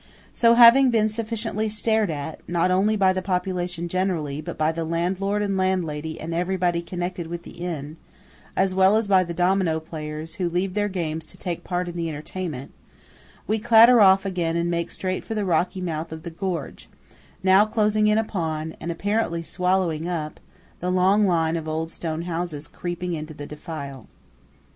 So, having been sufficiently stared at–not only by the population generally, but by the landlord and landlady and everybody connected with the inn, as well as by the domino players, who leave their games to take part in the entertainment–we clatter off again and make straight for the rocky mouth of the gorge, now closing in upon, and apparently swallowing up, the long line of old stone houses creeping into the defile.